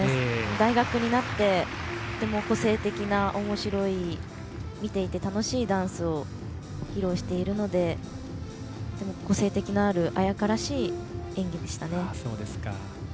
大学になってとても個性的なおもしろい見ていて楽しいダンスを披露しているので個性的な、彩夏らしい演技でしたね。